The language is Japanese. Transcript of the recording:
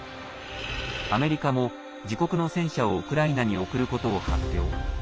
アメリカも自国の戦車をウクライナに送ることを発表。